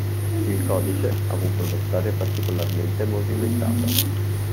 Il codice ha avuto una storia particolarmente movimentata.